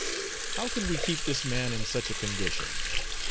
How can we keep this man in such a condition?